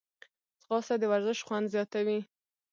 ځغاسته د ورزش خوند زیاتوي